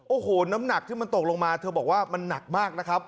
โอ้โหน้ำหนักที่มันตกลงมาเธอบอกว่ามันหนักมากนะครับ